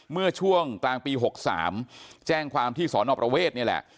เมื่อช่วงกลางปี๖๓แจ้งความที่สอนอประเวทนี่แหละ